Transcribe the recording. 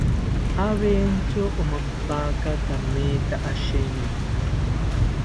Aventyo omampaka kametha asheninka